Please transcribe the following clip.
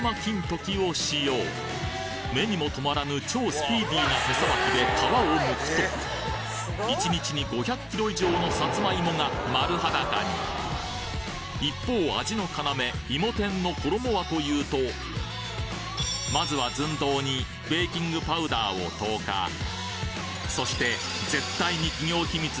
ときを使用目にも止まらぬ超スピーディーな手さばきで皮を剥くと１日に５００ｋｇ以上のサツマイモが丸裸に一方味の要いも天の衣はというとまずは寸胴にベーキングパウダーを投下そして絶対に企業秘密だという謎の材料を注ぎ入れた